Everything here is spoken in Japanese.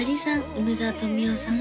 梅沢富美男さん